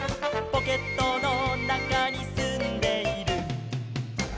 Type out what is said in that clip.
「ポケットのなかにすんでいる」